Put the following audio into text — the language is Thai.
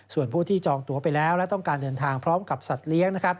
ส่วนผู้ที่จองตัวไปแล้วและต้องการเดินทางพร้อมกับสัตว์เลี้ยง